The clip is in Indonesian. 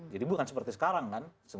jadi bukan seperti sekarang kan